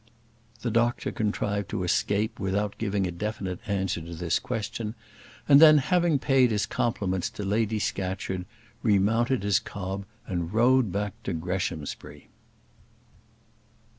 The doctor contrived to escape without giving a definite answer to this question; and then, having paid his compliments to Lady Scatcherd, remounted his cob and rode back to Greshamsbury.